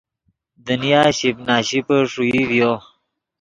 دنیا شیپ نا شیپے ݰوئی ڤیو